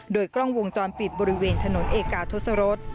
โดยกล้องวงจรปิดบริเวณถนนเอกาทศรษ